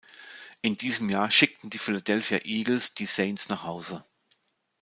In diesem Jahr schickten die Philadelphia Eagles die Saints nach Hause.